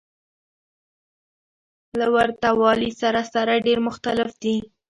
له ورته والي سره سره ډېر مختلف دى.